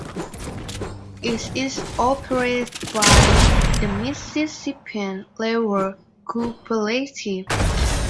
It is operated by the Mississippian Railway Cooperative.